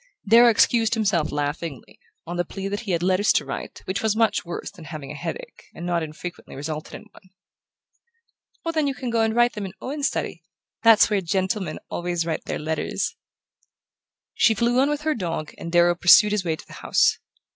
Darrow excused himself laughingly, on the plea that he had letters to write, which was much worse than having a headache, and not infrequently resulted in one. "Oh, then you can go and write them in Owen's study. That's where gentlemen always write their letters." She flew on with her dog and Darrow pursued his way to the house.